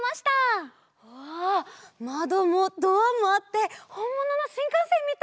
わまどもドアもあってほんもののしんかんせんみたい！